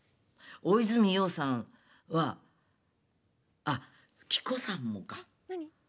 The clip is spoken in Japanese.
大泉洋さんはあっ希子さんもか」。えっ何⁉